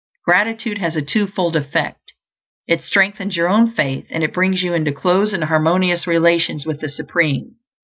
Gratitude has a twofold effect; it strengthens your own faith, and it brings you into close and harmonious relations with the Supreme.